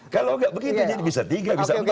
kalau enggak begitu bisa tiga bisa empat bisa lima